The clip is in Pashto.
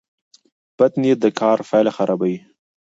بد نیت د کار پایله خرابوي.